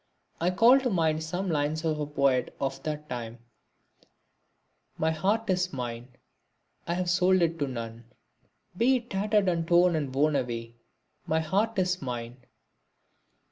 I call to mind some lines of a poet of that time: My heart is mine I have sold it to none, Be it tattered and torn and worn away, My heart is mine!